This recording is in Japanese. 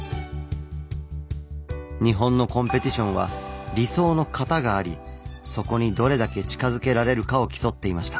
日本のコンペティションは「理想の型」がありそこにどれだけ近づけられるかを競っていました。